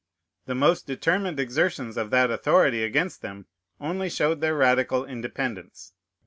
The most determined exertions of that authority against them only showed their radical independence.